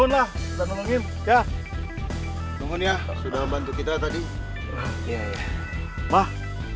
udah ngomongin ya tuhan ya sudah membantu kita tadi mah